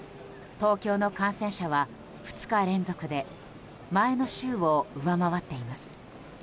東京の感染者は２日連続で前の週を上回っています。